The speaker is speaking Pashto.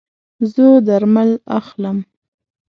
زه درمل اخلم